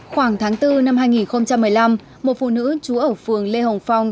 khoảng tháng bốn năm hai nghìn một mươi năm một phụ nữ trú ở phường lê hồng phong